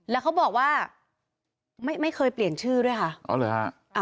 แล้วเขาบอกว่าไม่ไม่เคยเปลี่ยนชื่อด้วยค่ะอ๋อเหรอฮะ